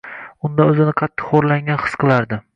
Undan o’zini qattiq xo’rlangan his qilardi.